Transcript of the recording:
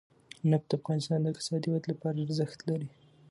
نفت د افغانستان د اقتصادي ودې لپاره ارزښت لري.